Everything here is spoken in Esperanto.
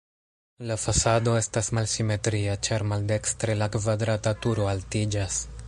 La fasado estas malsimetria, ĉar maldekstre la kvadrata turo altiĝas.